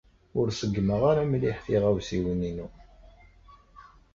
Ur ṣeggmeɣ ara mliḥ tiɣawsiwin-inu.